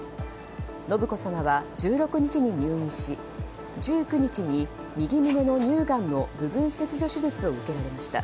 信子さまは１６日に入院し１９日に右胸の乳がんの部分切除手術を受けられました。